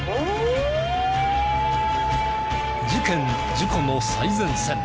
事件事故の最前線